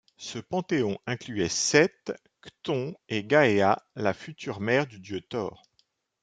Ce panthéon incluait Set, Chthon et Gaea, la future mère du dieu Thor.